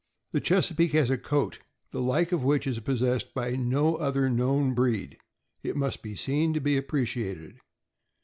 The Chesapeake has a coat the like of which is possessed by no other known breed; it must be seen to be appreciated.